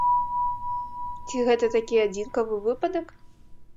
Ці гэта такі адзінкавы выпадак?